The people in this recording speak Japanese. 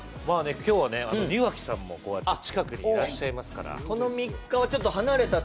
今日は庭木さんも近くにいらっしゃいますから。